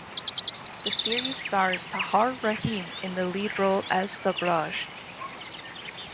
The series stars Tahar Rahim in the lead role as Sobhraj.